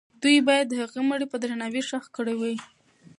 دوی باید د هغې مړی په درناوي ښخ کړی وای.